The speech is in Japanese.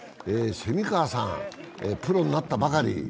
蝉川さん、プロになったばかり。